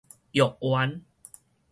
藥丸